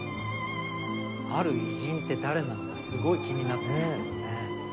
ある偉人って誰なのかすごい気になってるんですけどね。